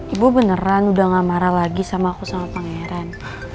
ibu beneran udah gak marah lagi sama aku sama pangeran